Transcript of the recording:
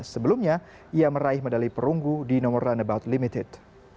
sebelumnya ia meraih medali perunggu di nomor runnabout limited